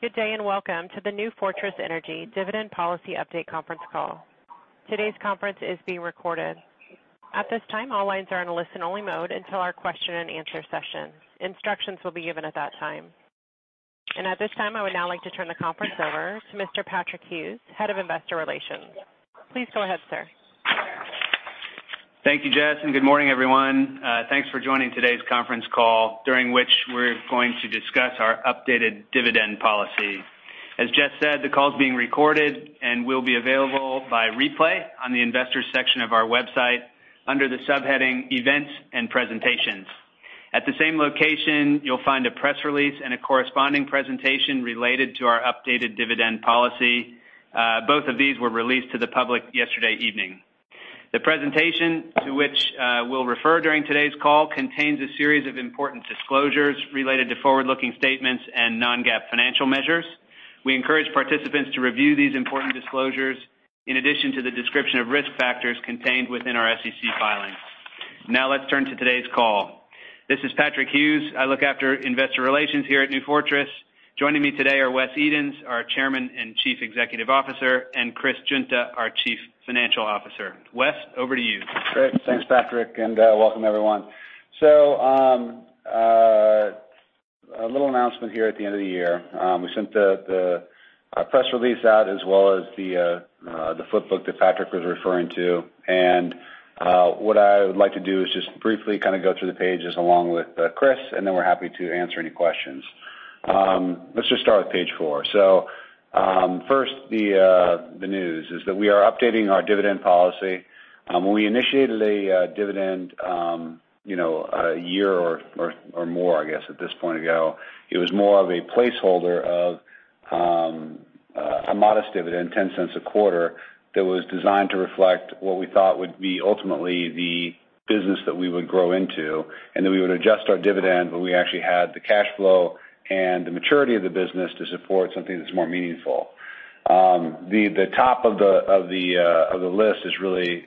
Good day, welcome to the NewFortress Energy Dividend Policy Update conference call. Today's conference is being recorded. At this time, all lines are in a listen-only mode until our question-and-answer session. Instructions will be given at that time. At this time, I would now like to turn the conference over to Mr. Patrick Hughes, Head of Investor Relations. Please go ahead, sir. Thank you, Jess, and good morning, everyone. Thanks for joining today's conference call, during which we're going to discuss our updated dividend policy. As Jess said, the call is being recorded and will be available by replay on the Investors section of our website under the subheading Events and Presentations. At the same location, you'll find a press release and a corresponding presentation related to our updated dividend policy. Both of these were released to the public yesterday evening. The presentation to which we'll refer during today's call contains a series of important disclosures related to forward-looking statements and non-GAAP financial measures. We encourage participants to review these important disclosures in addition to the description of risk factors contained within our SEC filings. Let's turn to today's call. This is Patrick Hughes. I look after investor relations here at NewFortress. Joining me today are Wes Edens, our Chairman and Chief Executive Officer, and Chris Guinta, our Chief Financial Officer. Wes, over to you. Great. Thanks, Patrick, welcome everyone. A little announcement here at the end of the year. We sent the press release out, as well as the flipbook that Patrick was referring to. What I would like to do is just briefly kind of go through the pages along with Chris, and then we're happy to answer any questions. Let's just start with page four. First the news is that we are updating our dividend policy. When we initiated a dividend, you know, a year or more, I guess, at this point ago, it was more of a placeholder of a modest dividend, $0.10 a quarter, that was designed to reflect what we thought would be ultimately the business that we would grow into, and that we would adjust our dividend when we actually had the cash flow and the maturity of the business to support something that's more meaningful. The, the top of the, of the list is really,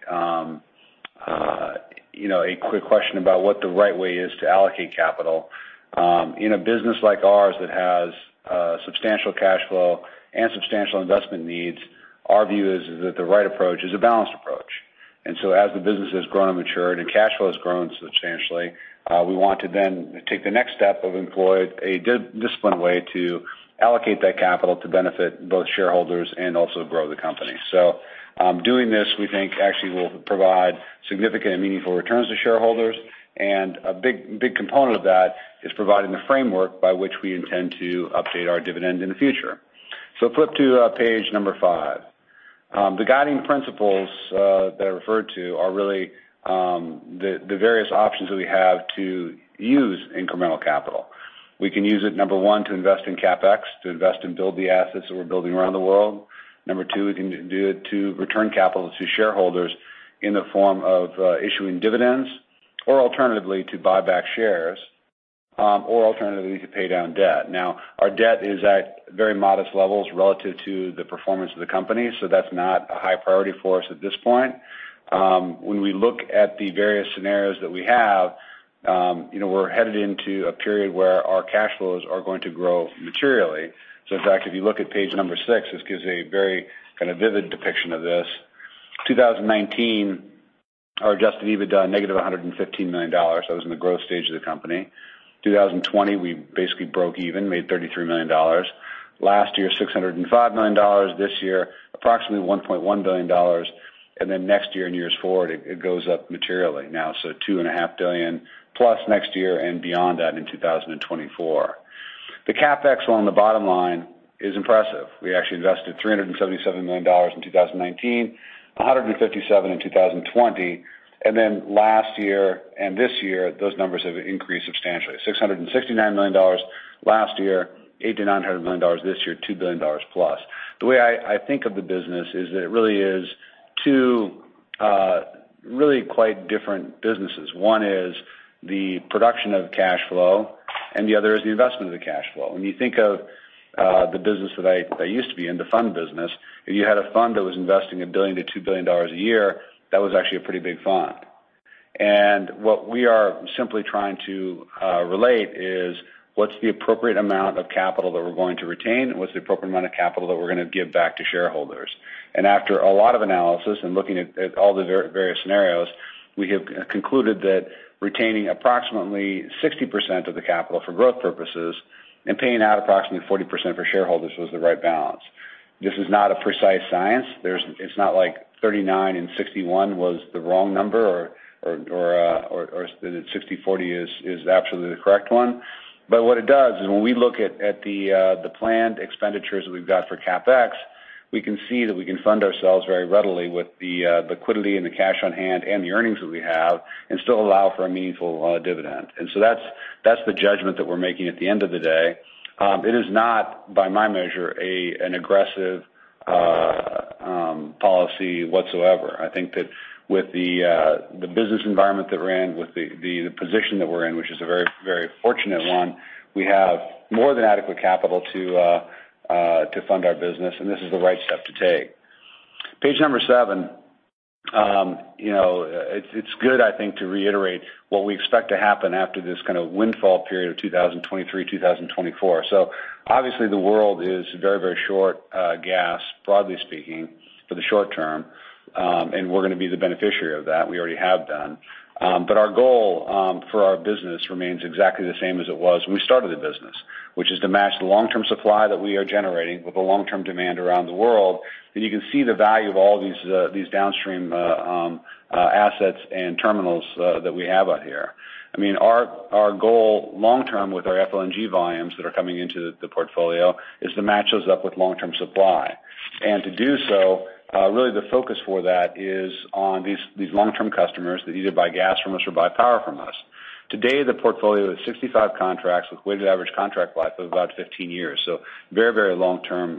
you know, a quick question about what the right way is to allocate capital. In a business like ours that has substantial cash flow and substantial investment needs, our view is that the right approach is a balanced approach. As the business has grown and matured and cash flow has grown substantially, we want to then take the next step of employ a disciplined way to allocate that capital to benefit both shareholders and also grow the company. Doing this, we think, actually will provide significant and meaningful returns to shareholders. A big component of that is providing the framework by which we intend to update our dividend in the future. Flip to page number five. The guiding principles that I referred to are really the various options that we have to use incremental capital. We can use it, number one, to invest in CapEx, to invest and build the assets that we're building around the world. Number two, we can do it to return capital to shareholders in the form of issuing dividends, or alternatively, to buy back shares, or alternatively, to pay down debt. Our debt is at very modest levels relative to the performance of the company. That's not a high priority for us at this point. When we look at the various scenarios that we have, you know, we're headed into a period where our cash flows are going to grow materially. In fact, if you look at page number six, this gives a very vivid depiction of this. 2019, our adjusted EBITDA, -$115 million. That was in the growth stage of the company. 2020, we basically broke even, made $33 million. Last year, $605 million. This year, approximately $1.1 billion. Next year and years forward, it goes up materially now, so $2.5 billion+ next year and beyond that in 2024. The CapEx on the bottom line is impressive. We actually invested $377 million in 2019, $157 in 2020. Last year and this year, those numbers have increased substantially, $669 million last year, $800 million-$900 million this year, $2 billion+. The way I think of the business is that it really is two really quite different businesses. One is the production of cash flow, and the other is the investment of the cash flow. When you think of the business that I used to be in, the fund business, if you had a fund that was investing $1 billion-$2 billion a year, that was actually a pretty big fund. What we are simply trying to relate is what's the appropriate amount of capital that we're going to retain and what's the appropriate amount of capital that we're gonna give back to shareholders. After a lot of analysis and looking at all the various scenarios, we have concluded that retaining approximately 60% of the capital for growth purposes and paying out approximately 40% for shareholders was the right balance. This is not a precise science. It's not like 39 and 61 was the wrong number or that 60/40 is absolutely the correct one. What it does is when we look at the planned expenditures that we've got for CapEx, we can see that we can fund ourselves very readily with the liquidity and the cash on hand and the earnings that we have and still allow for a meaningful dividend. That's the judgment that we're making at the end of the day. It is not, by my measure, an aggressive policy whatsoever. I think that with the business environment that we're in, with the position that we're in, which is a very, very fortunate one, we have more than adequate capital to fund our business, and this is the right step to take. Page number seven. You know, it's good, I think, to reiterate what we expect to happen after this kind of windfall period of 2023, 2024. Obviously the world is very, very short, gas, broadly speaking, for the short term, and we're gonna be the beneficiary of that. We already have been. Our goal for our business remains exactly the same as it was when we started the business, which is to match the long-term supply that we are generating with the long-term demand around the world. You can see the value of all these downstream, assets and terminals that we have out here. I mean, our goal long term with our FLNG volumes that are coming into the portfolio is to match those up with long-term supply. To do so, really the focus for that is on these long-term customers that either buy gas from us or buy power from us. Today, the portfolio is 65 contracts with weighted average contract life of about 15 years. Very, very long-term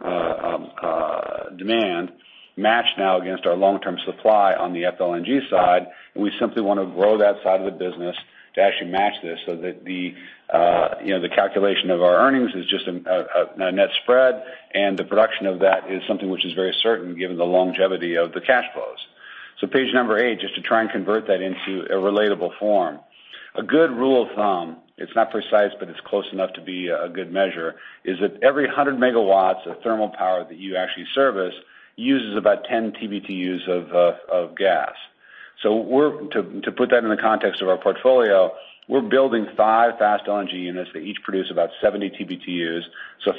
demand matched now against our long-term supply on the FLNG side, and we simply wanna grow that side of the business to actually match this so that, you know, the calculation of our earnings is just a net spread, and the production of that is something which is very certain given the longevity of the cash flows. Page number eight, just to try and convert that into a relatable form. A good rule of thumb, it's not precise, but it's close enough to be a good measure, is that every 100 megawatts of thermal power that you actually service uses about 10 TBtus of gas. To put that in the context of our portfolio, we're building five Fast LNG units that each produce about 70 TBtus,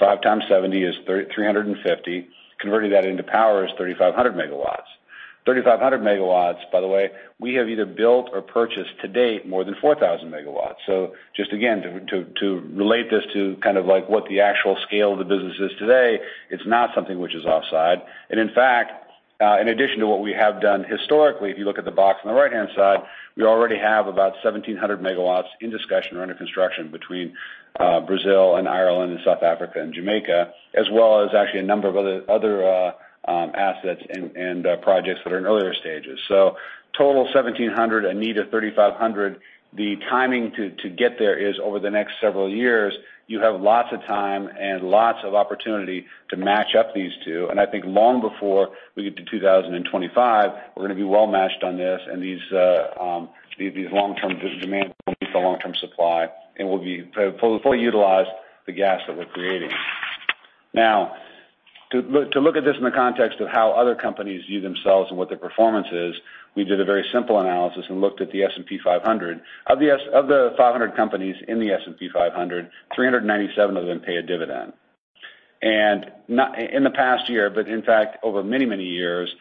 5x70 is 350. Converting that into power is 3,500 megawatts. 3,500 megawatts, by the way, we have either built or purchased to date more than 4,000 megawatts. Just again, to relate this to kind of like what the actual scale of the business is today, it's not something which is offside. In fact, in addition to what we have done historically, if you look at the box on the right-hand side, we already have about 1,700 megawatts in discussion or under construction between Brazil and Ireland and South Africa and Jamaica, as well as actually a number of other assets and projects that are in earlier stages. Total 1,700, a need of 3,500. The timing to get there is over the next several years. You have lots of time and lots of opportunity to match up these two, I think long before we get to 2025, we're gonna be well matched on this, these long-term demands will meet the long-term supply, and we'll be fully utilize the gas that we're creating. Now, to look at this in the context of how other companies view themselves and what their performance is, we did a very simple analysis and looked at the S&P 500. Of the 500 companies in the S&P 500, 397 of them pay a dividend. Not in the past year, but in fact, over many, many years,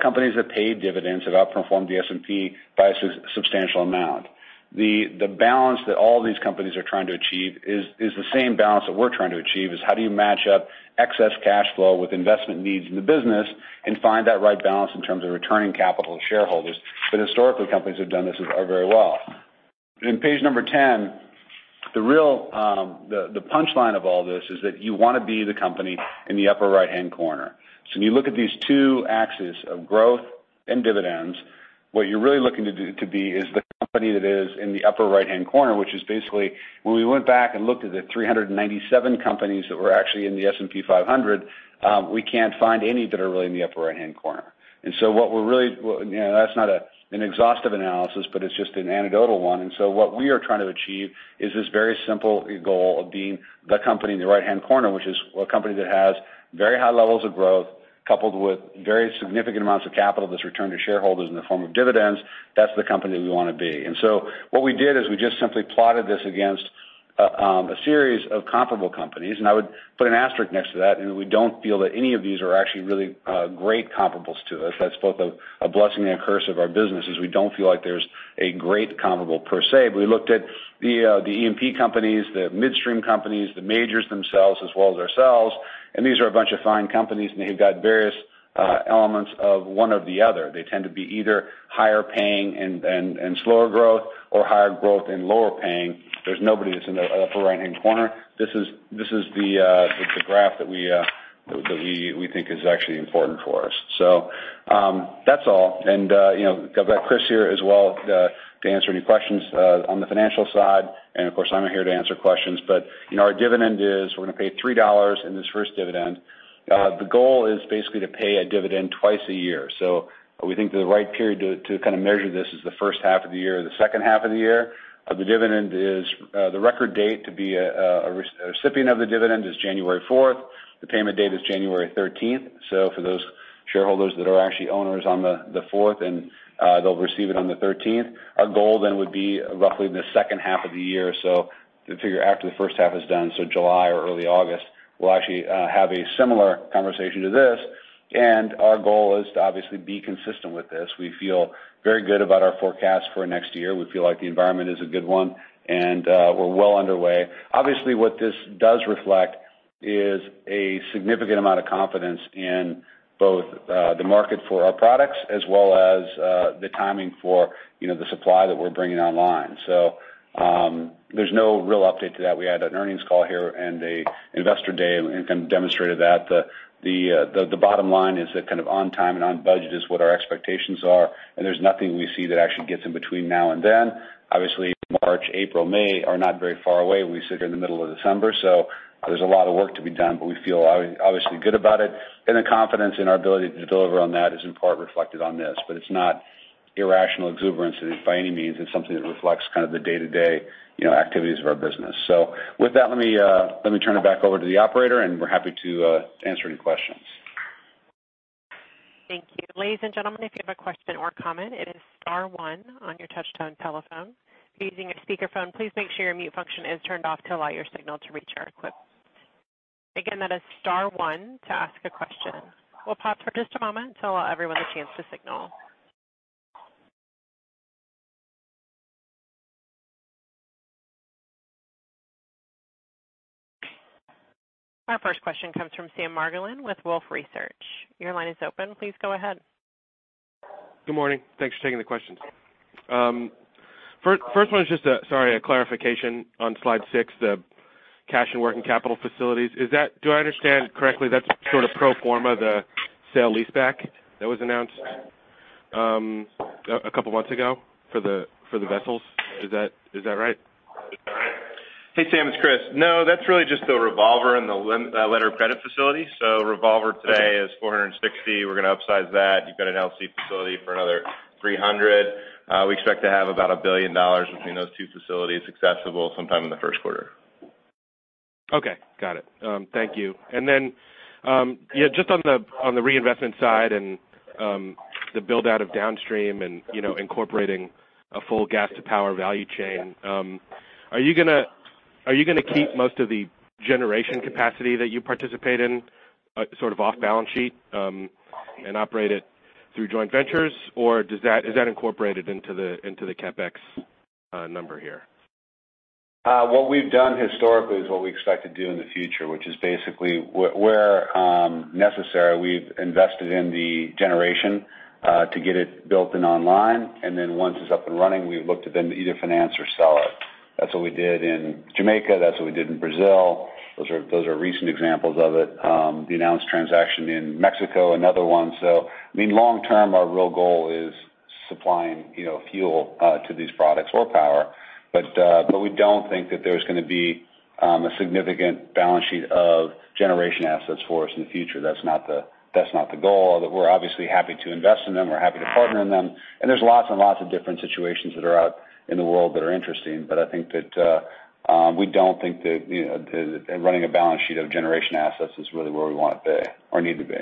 companies that pay dividends have outperformed the S&P by a substantial amount. The balance that all these companies are trying to achieve is the same balance that we're trying to achieve, is how do you match up excess cash flow with investment needs in the business and find that right balance in terms of returning capital to shareholders? Historically, companies that have done this are very well. In page number 10, the real, the punchline of all this is that you wanna be the company in the upper right-hand corner. When you look at these two axes of growth and dividends, what you're really looking to be is the company that is in the upper right-hand corner, which is basically when we went back and looked at the 397 companies that were actually in the S&P 500, we can't find any that are really in the upper right-hand corner. What we're really. Well, you know, that's not a, an exhaustive analysis, but it's just an anecdotal one. What we are trying to achieve is this very simple goal of being the company in the right-hand corner, which is a company that has very high levels of growth coupled with very significant amounts of capital that's returned to shareholders in the form of dividends. That's the company we wanna be. What we did is we just simply plotted this against a series of comparable companies, and I would put an asterisk next to that, and we don't feel that any of these are actually really great comparables to us. That's both a blessing and a curse of our business, is we don't feel like there's a great comparable per se. We looked at the E&P companies, the midstream companies, the majors themselves as well as ourselves, and these are a bunch of fine companies, and they've got various elements of one or the other. They tend to be either higher paying and slower growth or higher growth and lower paying. There's nobody that's in the upper right-hand corner. This is the graph that we think is actually important for us. That's all. You know, I've got Chris here as well to answer any questions on the financial side. Of course, I'm here to answer questions. You know, our dividend is we're gonna pay $3 in this first dividend. The goal is basically to pay a dividend twice a year. We think the right period to kind of measure this is the first half of the year or the second half of the year. The dividend is the record date to be a recipient of the dividend is January 4. The payment date is January 13th. For those shareholders that are actually owners on the 4th, and they'll receive it on the 13th. Our goal then would be roughly in the second half of the year, so the figure after the first half is done, so July or early August. We'll actually have a similar conversation to this, and our goal is to obviously be consistent with this. We feel very good about our forecast for next year. We feel like the environment is a good one, and we're well underway. Obviously, what this does reflect is a significant amount of confidence in both, the market for our products as well as, the timing for, you know, the supply that we're bringing online. There's no real update to that. We had an earnings call here and a investor day and kind of demonstrated that. The bottom line is that kind of on time and on budget is what our expectations are, and there's nothing we see that actually gets in between now and then. Obviously, March, April, May are not very far away. We sit here in the middle of December, so there's a lot of work to be done. We feel obviously good about it, and the confidence in our ability to deliver on that is in part reflected on this. It's not irrational exuberance by any means. It's something that reflects kind of the day-to-day, you know, activities of our business. With that, let me turn it back over to the operator. We're happy to answer any questions. Thank you. Ladies and gentlemen, if you have a question or comment, it is star one on your Touch-Tone telephone. If you're using a speakerphone, please make sure your mute function is turned off to allow your signal to reach our equipment. Again, that is star one to ask a question. We'll pause for just a moment to allow everyone a chance to signal. Our first question comes from Sam Margolin with Wolfe Research. Your line is open. Please go ahead. Good morning. Thanks for taking the questions. First one is just a, sorry, a clarification on slide six, the cash and working capital facilities. Do I understand correctly, that's sort of pro forma, the sale leaseback that was announced a couple months ago for the vessels? Is that right? Hey, Sam, it's Chris. No, that's really just the revolver and the letter of credit facility. Revolver today. Is $460. We're gonna upsize that. You've got an LC facility for another $300. We expect to have about $1 billion between those two facilities accessible sometime in the first quarter. Okay, got it. Thank you. Yeah, just on the reinvestment side and the build-out of downstream and, you know, incorporating a full gas to power value chain, are you gonna keep most of the generation capacity that you participate in, sort of off balance sheet, and operate it through joint ventures? Or is that incorporated into the CapEx number here? What we've done historically is what we expect to do in the future, which is basically where necessary, we've invested in the generation to get it built and online. Once it's up and running, we've looked to then either finance or sell it. That's what we did in Jamaica. That's what we did in Brazil. Those are recent examples of it. The announced transaction in Mexico, another one. I mean, long term, our real goal is supplying, you know, fuel to these products or power. But we don't think that there's gonna be a significant balance sheet of generation assets for us in the future. That's not the goal, that we're obviously happy to invest in them, we're happy to partner in them. There's lots and lots of different situations that are out in the world that are interesting. I think that we don't think that, you know, that running a balance sheet of generation assets is really where we want to be or need to be.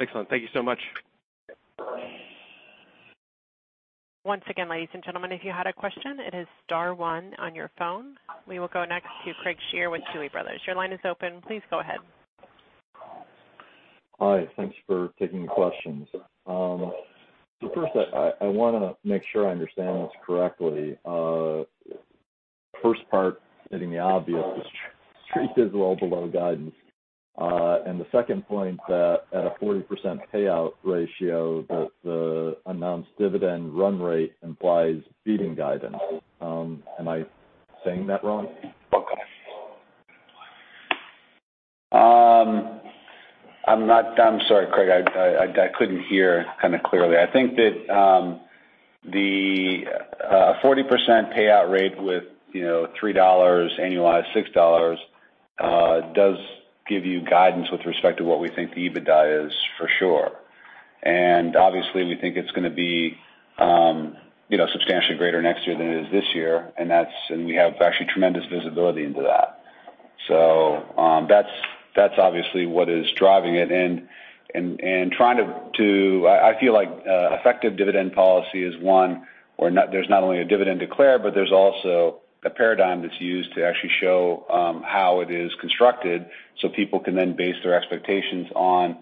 Excellent. Thank you so much. Once again, ladies and gentlemen, if you had a question, it is star one on your phone. We will go next to Craig Shere with Tuohy Brothers. Your line is open. Please go ahead. Hi. Thanks for taking the questions. First I wanna make sure I understand this correctly. First part, stating the obvious, the street is well below guidance. The second point, that at a 40% payout ratio, the announced dividend run rate implies beating guidance. Am I saying that wrong? I'm sorry, Craig, I couldn't hear kinda clearly. I think that the 40% payout rate with, you know, $3 annualized, $6 does give you guidance with respect to what we think the EBITDA is for sure. Obviously, we think it's gonna be, you know, substantially greater next year than it is this year, and we have actually tremendous visibility into that. That's obviously what is driving it. Trying to I feel like effective dividend policy is one where there's not only a dividend declared, but there's also a paradigm that's used to actually show how it is constructed so people can then base their expectations on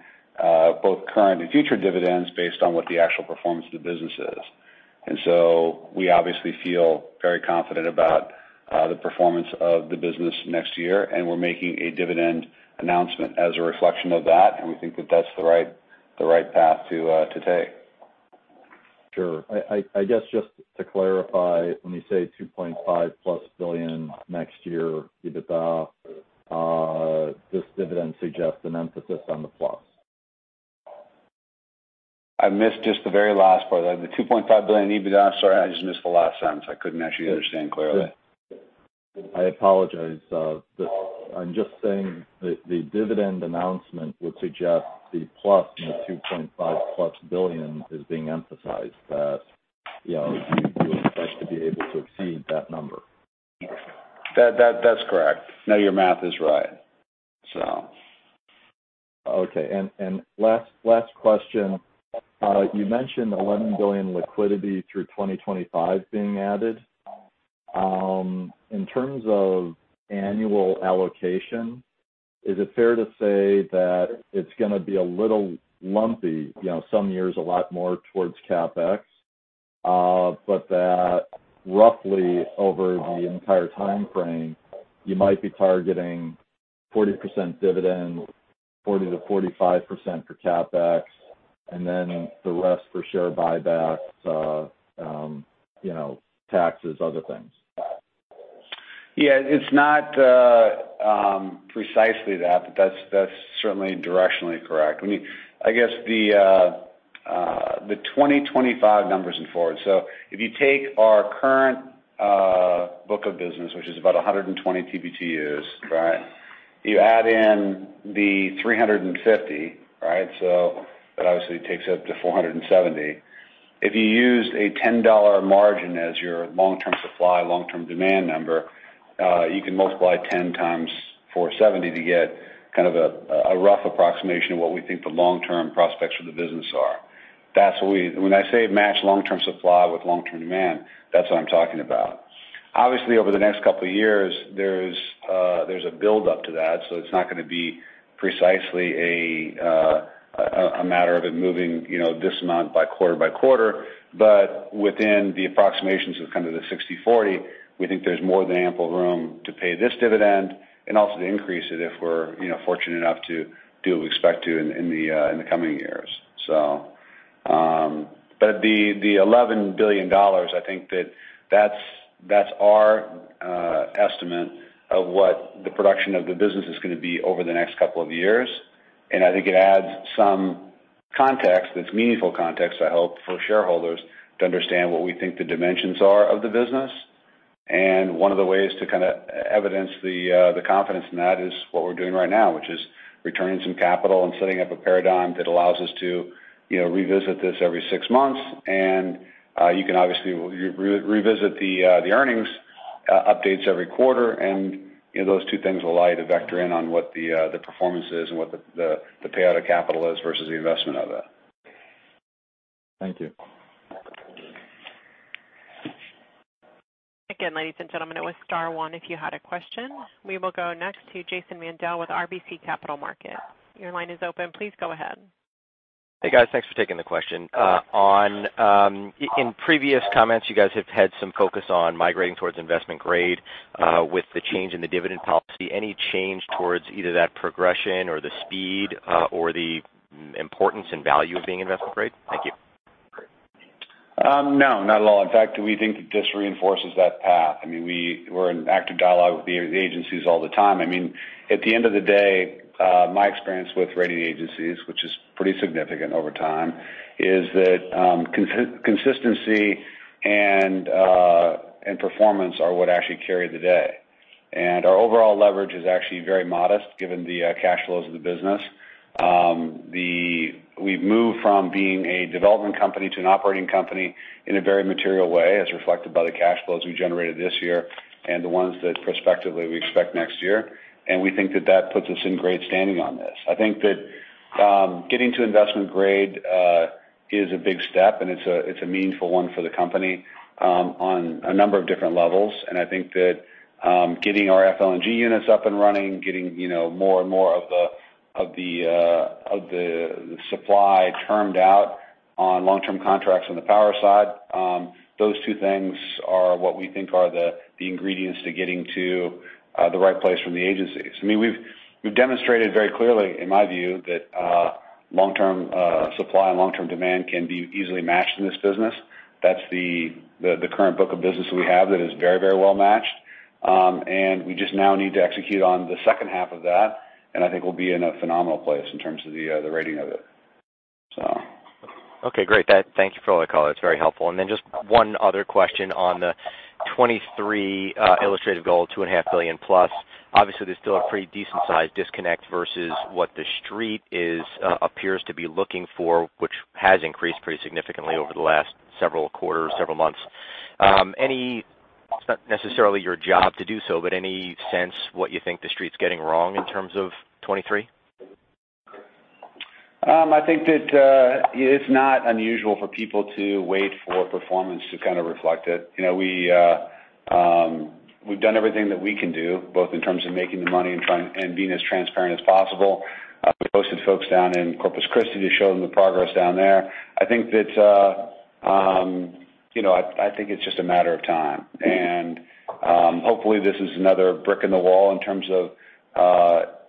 both current and future dividends based on what the actual performance of the business is. We obviously feel very confident about the performance of the business next year, and we're making a dividend announcement as a reflection of that, and we think that that's the right, the right path to take. Sure. I guess just to clarify, when you say $2.5+ billion next year EBITDA, this dividend suggests an emphasis on the plus. I missed just the very last part. The $2.5 billion EBITDA. Sorry, I just missed the last sentence. I couldn't actually understand clearly. Sure. I apologize. I'm just saying the dividend announcement would suggest the plus in the $2.5+ billion is being emphasized, that, you know, you would expect to be able to exceed that number. That's correct. Your math is right. Okay. Last question. You mentioned $11 billion liquidity through 2025 being added. In terms of annual allocation, is it fair to say that it's gonna be a little lumpy, you know, some years a lot more towards CapEx, but that roughly over the entire timeframe, you might be targeting 40% dividend, 40%-45% for CapEx, and then the rest for share buybacks, you know, taxes, other things? It's not precisely that, but that's certainly directionally correct. I mean, I guess the 2025 numbers and forward. If you take our current book of business, which is about 120 TBtus, right? You add in the 350, right? That obviously takes it up to 470. If you used a $10 margin as your long-term supply, long-term demand number, you can multiply 10x470 to get kind of a rough approximation of what we think the long-term prospects for the business are. That's what we. When I say match long-term supply with long-term demand, that's what I'm talking about. Obviously, over the next couple of years, there's a build up to that, so it's not gonna be precisely a matter of it moving, you know, this amount by quarter by quarter. Within the approximations of kind of the 60/40, we think there's more than ample room to pay this dividend and also to increase it if we're, you know, fortunate enough to do what we expect to in the coming years. But the $11 billion, I think that's our estimate of what the production of the business is gonna be over the next couple of years. I think it adds some context, that's meaningful context, I hope, for shareholders to understand what we think the dimensions are of the business. One of the ways to kind of evidence the confidence in that is what we're doing right now, which is returning some capital and setting up a paradigm that allows us to, you know, revisit this every six months. You can obviously revisit the earnings updates every quarter. You know, those two things will allow you to vector in on what the performance is and what the payout of capital is versus the investment of it. Thank you. Ladies and gentlemen, it was star one, if you had a question. We will go next to Jason Mandel with RBC Capital Markets. Your line is open. Please go ahead. Hey, guys. Thanks for taking the question. on, in previous comments, you guys have had some focus on migrating towards investment grade, with the change in the dividend policy. Any change towards either that progression or the speed, or the importance and value of being investment grade? Thank you. No, not at all. In fact, we think that this reinforces that path. I mean, we're in active dialogue with the agencies all the time. I mean, at the end of the day, my experience with rating agencies, which is pretty significant over time, is that consistency and performance are what actually carry the day. Our overall leverage is actually very modest given the cash flows of the business. We've moved from being a development company to an operating company in a very material way, as reflected by the cash flows we generated this year and the ones that prospectively we expect next year. We think that that puts us in great standing on this. I think that, getting to investment grade, is a big step, and it's a meaningful one for the company, on a number of different levels. I think that, getting our FLNG units up and running, getting, you know, more and more of the supply termed out on long-term contracts on the power side, those two things are what we think are the ingredients to getting to the right place from the agencies. I mean, we've demonstrated very clearly, in my view, that long-term supply and long-term demand can be easily matched in this business. That's the current book of business that we have that is very, very well matched. We just now need to execute on the second half of that, and I think we'll be in a phenomenal place in terms of the rating of it. So. Okay, great. Thank you for all the color. It's very helpful. Just one other question on the 2023 illustrative goal, $2.5 billion+. Obviously, there's still a pretty decent sized disconnect versus what the street is, appears to be looking for, which has increased pretty significantly over the last several quarters, several months. Any sense what you think the Street's getting wrong in terms of 2023? I think that it's not unusual for people to wait for performance to kind of reflect it. You know, we've done everything that we can do, both in terms of making the money and being as transparent as possible. We hosted folks down in Corpus Christi to show them the progress down there. I think that, you know, I think it's just a matter of time. Hopefully this is another brick in the wall in terms of,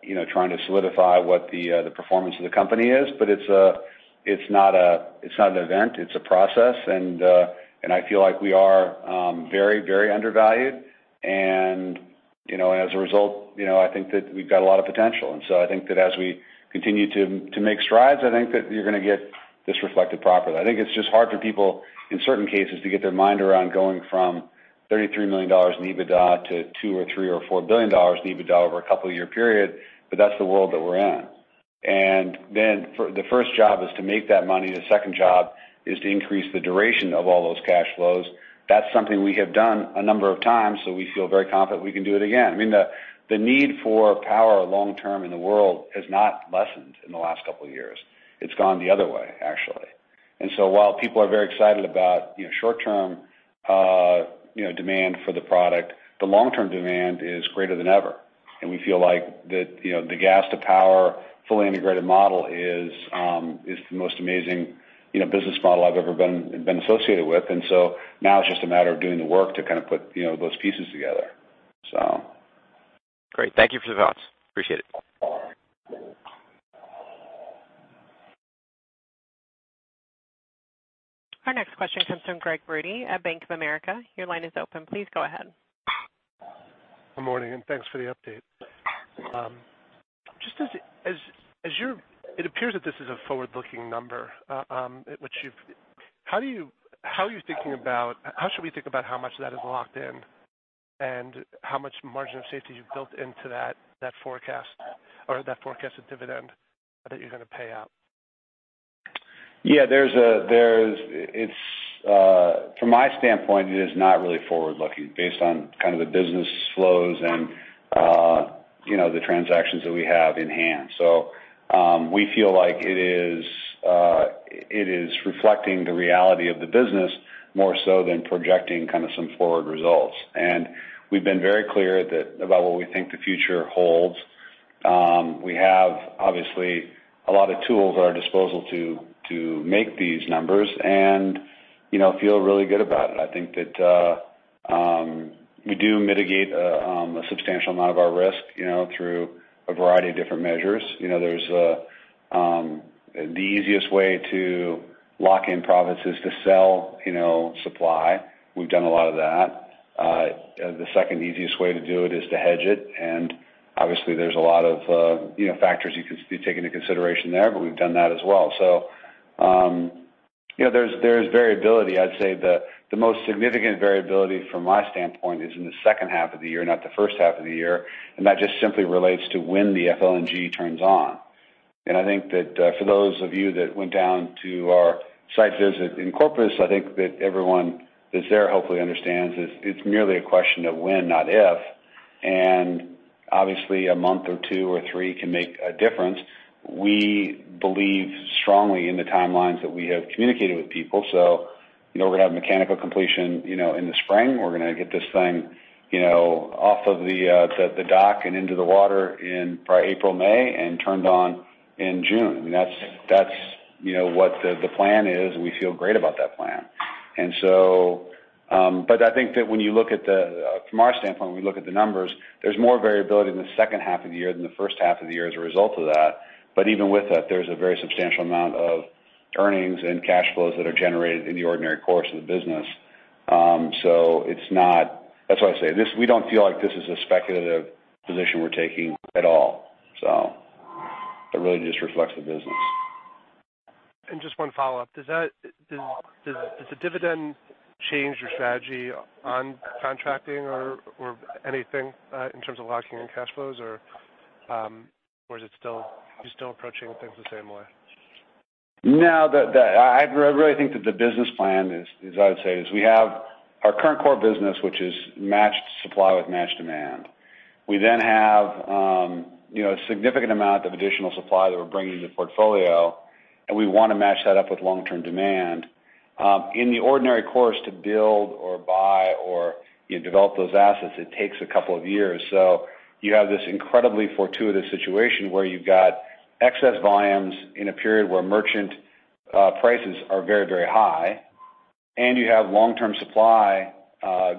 you know, trying to solidify what the performance of the company is. It's not a, it's not an event, it's a process. I feel like we are very, very undervalued. You know, as a result, you know, I think that we've got a lot of potential. I think that as we continue to make strides, I think that you're gonna get this reflected properly. I think it's just hard for people, in certain cases, to get their mind around going from $33 million in EBITDA to $2 billion or $3 billion or $4 billion in EBITDA over a couple-year period. That's the world that we're in. The first job is to make that money. The second job is to increase the duration of all those cash flows. That's something we have done a number of times, so we feel very confident we can do it again. I mean, the need for power long-term in the world has not lessened in the last couple of years. It's gone the other way, actually. While people are very excited about, you know, short-term, you know, demand for the product, the long-term demand is greater than ever. We feel like that, you know, the gas to power fully integrated model is the most amazing, you know, business model I've ever been associated with. Now it's just a matter of doing the work to kind of put, you know, those pieces together. Great. Thank you for your thoughts. Appreciate it. Our next question comes from Gregg Brody at Bank of America. Your line is open. Please go ahead. Good morning, thanks for the update. Just as it appears that this is a forward-looking number, which you've... How should we think about how much of that is locked in and how much margin of safety you've built into that forecast or that forecasted dividend that you're gonna pay out? Yeah, it's from my standpoint, it is not really forward-looking based on kind of the business flows and, you know, the transactions that we have in hand. We feel like it is reflecting the reality of the business more so than projecting kind of some forward results. We've been very clear about what we think the future holds. We have, obviously, a lot of tools at our disposal to make these numbers and, you know, feel really good about it. I think that we do mitigate a substantial amount of our risk, you know, through a variety of different measures. You know, the easiest way to lock in profits is to sell, you know, supply. We've done a lot of that. The second easiest way to do it is to hedge it. Obviously, there's a lot of, you know, factors you can take into consideration there, but we've done that as well. You know, there's variability. I'd say the most significant variability from my standpoint is in the second half of the year, not the first half of the year, and that just simply relates to when the FLNG turns on. I think that, for those of you that went down to our site visit in Corpus, I think that everyone that's there hopefully understands is it's merely a question of when, not if. Obviously, a month or two or three can make a difference. We believe strongly in the timelines that we have communicated with people. You know, we're gonna have mechanical completion, you know, in the spring. We're gonna get this thing, you know, off of the dock and into the water in probably April, May, and turned on in June. I mean, that's, you know, what the plan is, and we feel great about that plan. But I think that when you look at the from our standpoint, when we look at the numbers, there's more variability in the second half of the year than the first half of the year as a result of that. But even with that, there's a very substantial amount of earnings and cash flows that are generated in the ordinary course of the business. That's why I say this, we don't feel like this is a speculative position we're taking at all. It really just reflects the business. Just one follow-up. Does the dividend change your strategy on contracting or anything in terms of locking in cash flows? Are you still approaching things the same way? No. I really think that the business plan is I would say, we have our current core business, which is matched supply with matched demand. We have, you know, a significant amount of additional supply that we're bringing to the portfolio, and we wanna match that up with long-term demand. In the ordinary course to build or buy or, you know, develop those assets, it takes a couple of years. You have this incredibly fortuitous situation where you've got excess volumes in a period where merchant prices are very, very high, and you have long-term supply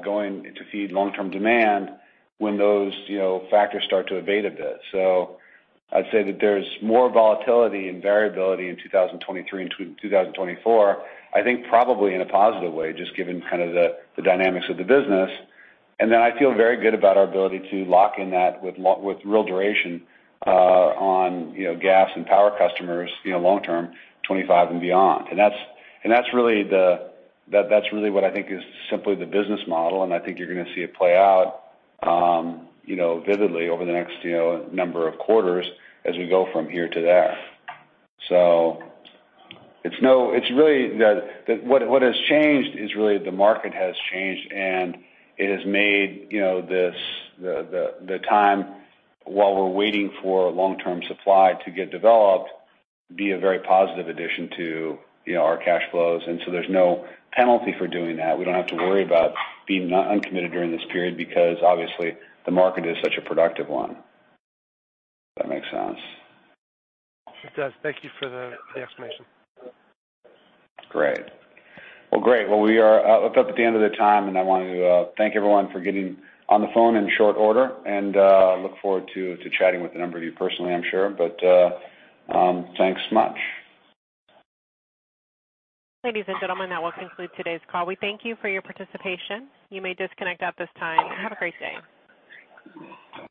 going to feed long-term demand when those, you know, factors start to abate a bit. I'd say that there's more volatility and variability in 2023 and 2024, I think probably in a positive way, just given kind of the dynamics of the business. Then I feel very good about our ability to lock in that with real duration, on, you know, gas and power customers, you know, long term, 2025 and beyond. That's really the-- that's really what I think is simply the business model, and I think you're gonna see it play out, you know, vividly over the next, you know, number of quarters as we go from here to there. It's really what has changed is really the market has changed, and it has made, you know, this, the time while we're waiting for long-term supply to get developed be a very positive addition to, you know, our cash flows. There's no penalty for doing that. We don't have to worry about being uncommitted during this period because obviously the market is such a productive one, if that makes sense. It does. Thank you for the explanation. Great. Well, great. Well, we are up at the end of the time, I want to thank everyone for getting on the phone in short order and look forward to chatting with a number of you personally, I'm sure. Thanks much. Ladies and gentlemen, that will conclude today's call. We thank you for your participation. You may disconnect at this time. Have a great day.